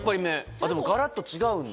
でもがらっと違うんだ？